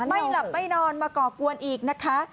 ไม่หลับไม่นอนมาก่อกวนอีกนะคะ